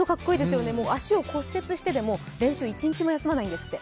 足を骨折してでも練習、一日も休まないんですって。